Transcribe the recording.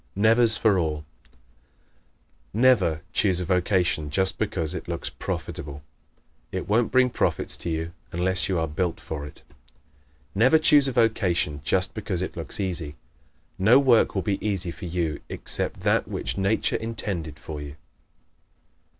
Nevers for All ¶ Never choose a vocation just because it looks profitable. It won't bring profits to you long unless you are built for it. Never choose a vocation just because it looks easy. No work will be easy for you except that which Nature intended for you.